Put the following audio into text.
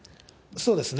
そうですね。